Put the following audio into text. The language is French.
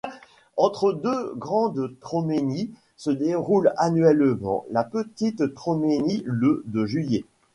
Entre deux grandes Troménies se déroule annuellement la petite Troménie, le de juillet.